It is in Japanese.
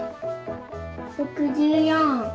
６４。